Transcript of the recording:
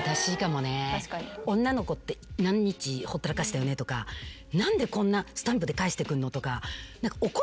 女の子って何日ほったらかしたよねとか何でこんなスタンプで返してくんの？とか。